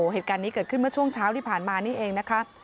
เหตุการณ์นี้เกิดขึ้นเมื่อช่วงเช้าที่ผ่านมานี่เองนะคะ